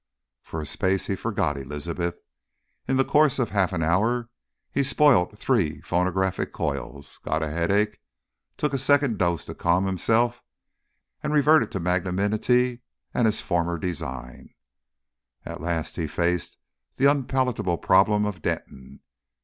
For a space he forgot Elizabeth. In the course of half an hour he spoilt three phonographic coils, got a headache, took a second dose to calm himself, and reverted to magnanimity and his former design. At last he faced the unpalatable problem of Denton.